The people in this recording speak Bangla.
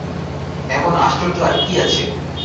এমন আশ্চর্য আর কী আছে।